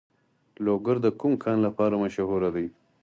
لوګر د کوم کان لپاره مشهور دی؟